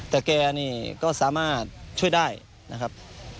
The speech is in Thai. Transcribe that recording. แต่แกนี่ก็สามารถช่วยได้นะครับ